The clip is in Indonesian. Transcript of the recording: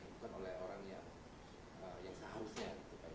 bukan oleh orang yang seharusnya